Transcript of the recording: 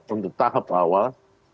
untuk tahap awal